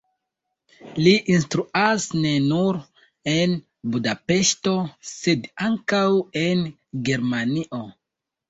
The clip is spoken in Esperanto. Li instruas ne nur en Budapeŝto, sed ankaŭ en Germanio.